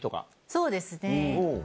そうですね。